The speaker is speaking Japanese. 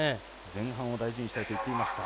前半を大事にしたいと言っていました。